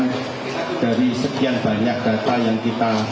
dan dari sekian banyak data yang kita